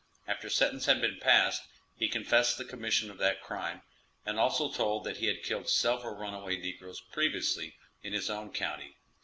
After sentence had been passed, he confessed the commission of that crime, and also told that he had killed several runaway negroes previously in his own county.